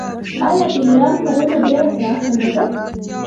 آیا د ایران کرنه ډیره پراخه نه ده؟